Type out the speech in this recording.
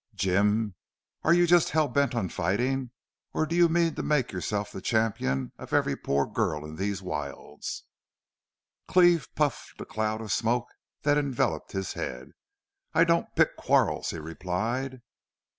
"Jim, are you just hell bent on fighting or do you mean to make yourself the champion of every poor girl in these wilds?" Cleve puffed a cloud of smoke that enveloped his head "I don't pick quarrels," he replied.